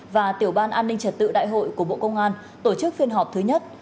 và tiểu ban an ninh trật tự đại hội của bộ công an tổ chức phiên họp thứ nhất